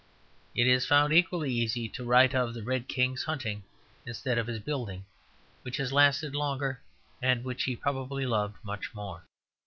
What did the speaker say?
It is found equally easy to write of the Red King's hunting instead of his building, which has lasted longer, and which he probably loved much more.